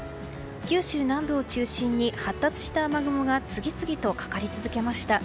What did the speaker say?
九州南部を中心に発達した雨雲が次々とかかり続けました。